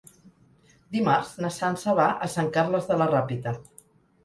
Dimarts na Sança va a Sant Carles de la Ràpita.